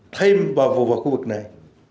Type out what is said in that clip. thêm vào khu vực này